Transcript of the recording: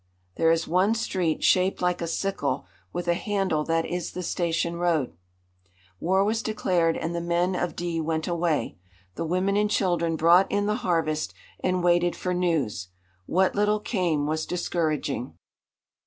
There is one street, shaped like a sickle, with a handle that is the station road. War was declared and the men of D went away. The women and children brought in the harvest, and waited for news. What little came was discouraging.